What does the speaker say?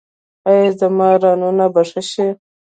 ایا زما رانونه به ښه شي؟